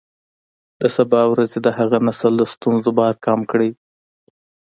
د سبا ورځې د هغه نسل د ستونزو بار کم کړئ.